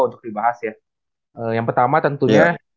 untuk dibahas ya yang pertama tentunya